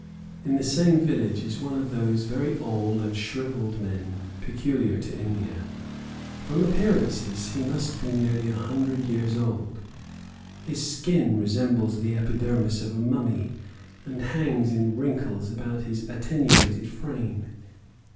In the same village is one of those very old and shrivelled men peculiar to India. From appearances, he must be nearly a hundred years old; his skin resembles the epidermis of a mummy, and hangs in wrinkles about his attenuated frame.